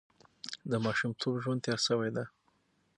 د ماشومتوب ژوند تېر شوی دی.